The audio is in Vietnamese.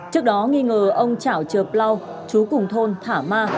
trước đó nghi ngờ ông chảo trợ plau chú cùng thôn thả ma